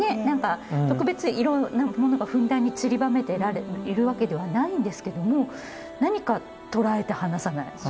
何か特別いろんなものがふんだんにちりばめているわけではないんですけども何かとらえて離さない。